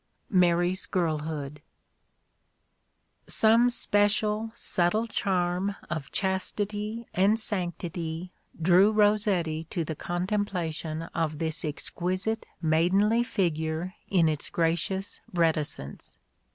(Mary's Girlhood.) A DAY WITH ROSSETTI. Some special, subtle charm of chastity and sanctity drew Rossetti to the contemplation of this exquisite maidenly figure in its gracious reticence.